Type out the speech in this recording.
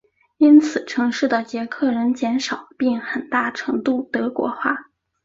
因此城市的捷克人减少并很大程度德国化。